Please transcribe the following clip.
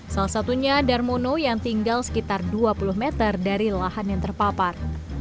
salah satunya darmono yang tinggal sekitar dua puluh meter dari lahan yang terpapar